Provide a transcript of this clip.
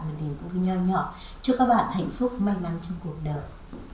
một niềm vui nhỏ nhọ chúc các bạn hạnh phúc may mắn trong cuộc đời